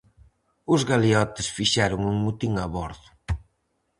Os galeotes fixeron un motín a bordo.